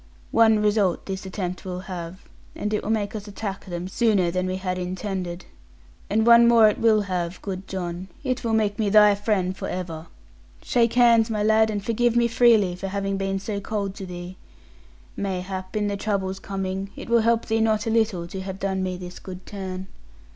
One result this attempt will have, it will make us attack them sooner than we had intended. And one more it will have, good John, it will make me thy friend for ever. Shake hands my lad, and forgive me freely for having been so cold to thee. Mayhap, in the troubles coming, it will help thee not a little to have done me this good turn.'